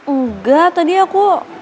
enggak tadi aku